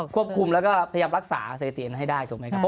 ควบคุมแล้วก็พยายามรักษาเศรษฐีเอียนให้ได้ถูกไหมครับ